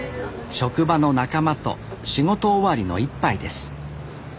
職場の仲間と仕事終わりの１杯です